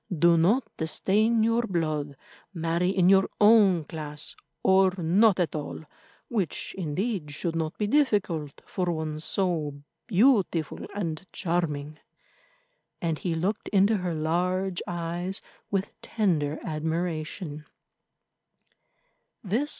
"Do not stain your blood. Marry in your own class, or not at all, which, indeed, should not be difficult for one so beautiful and charming." And he looked into her large eyes with tender admiration.